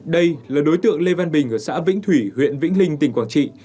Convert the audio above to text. đây là đối tượng lê văn bình ở xã vĩnh thủy huyện vĩnh linh tỉnh quảng trị